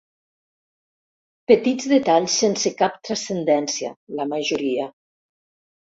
Petits detalls sense cap transcendència, la majoria.